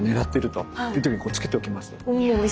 という時にこう着けておきます？